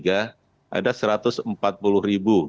ada satu ratus empat puluh ribu